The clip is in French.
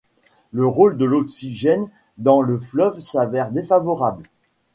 Le rôle de l'oxygène dans le fleuve s'avère défavorable.